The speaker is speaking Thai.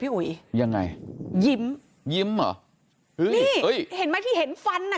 อุ๋ยยังไงยิ้มยิ้มเหรอนี่เอ้ยเห็นไหมที่เห็นฟันอ่ะ